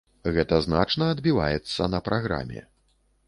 Гэта значна адбіваецца на праграме.